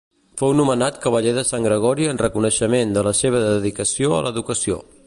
Fou nomenat cavaller de Sant Gregori en reconeixement de la seva dedicació a l'educació.